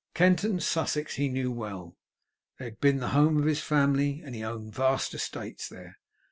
Kent and Sussex he knew well. They had been the home of his family, and he owned vast estates there.